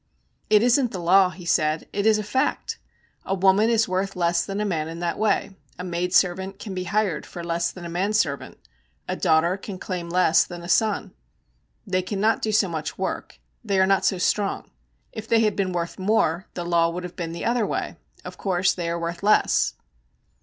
'It isn't the law,' he said, 'it is a fact. A woman is worth less than a man in that way. A maidservant can be hired for less than a manservant, a daughter can claim less than a son. They cannot do so much work; they are not so strong. If they had been worth more, the law would have been the other way; of course they are worth less.'